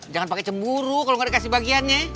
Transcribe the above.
jangan pake cemuru kalo gak dikasih bagiannya